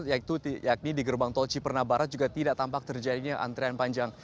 yaitu di gerbang tol cipernabara juga tidak tampak terjadinya antrean panjang